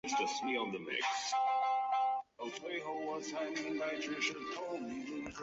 其一般栖息于泥沙底质和岩礁附近的海区以及也可生活于咸淡水或淡水水域。